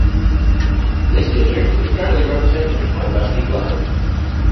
This District is currently represented by Rusty Glover.